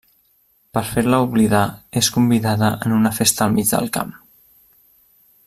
Per fer-la oblidar, és convidada en una festa al mig del camp.